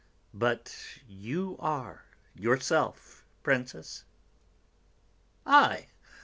"But you are, yourself, Princess!" "I!